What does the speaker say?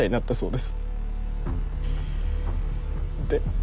で。